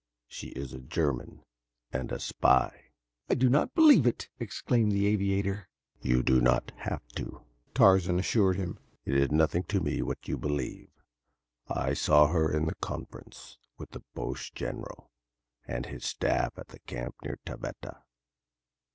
"She is a German and a spy." "I do not believe it!" exclaimed the aviator. "You do not have to," Tarzan assured him. "It is nothing to me what you believe. I saw her in conference with the Boche general and his staff at the camp near Taveta.